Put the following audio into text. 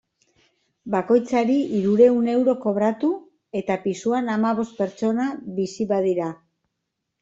Bakoitzari hirurehun euro kobratu, eta pisuan hamabost pertsona bizi badira.